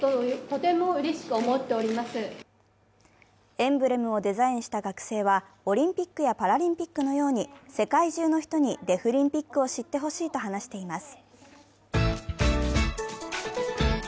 エンブレムをデザインした学生は、オリンピックやパラリンピックのように世界中の人にデフリンピックを知ってほしいと話しています。